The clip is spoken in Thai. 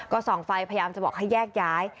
ก็ส่องไฟพยายามจะบอกให้แยกย้าย